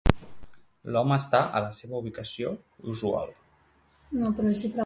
L'home està a la seva ubicació usual?